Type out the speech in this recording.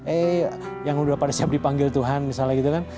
eh yang udah pada siap dipanggil tuhan misalnya gitu kan